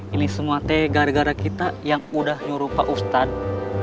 ini semua teh gara gara kita yang udah nyuruh pak ustadz